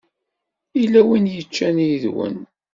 Yella win yeččan yid-wen?